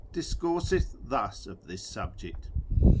discourseth thus of this subject.